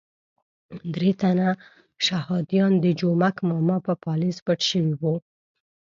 درې تنه شهادیان د جومک ماما په پالیز پټ شوي وو.